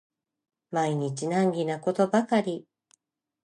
毎日難儀なことばかり